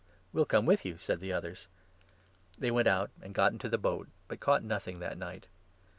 "We will come with you," said the others. They went out and got into the boat, but caught nothing that night.